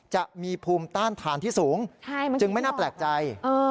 จะมีภูมิต้านทานที่สูงจึงไม่น่าแปลกใจ